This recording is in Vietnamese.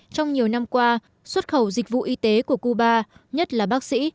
trong nhiều năm qua xuất khẩu dịch vụ y tế của cuba nhất là bác sĩ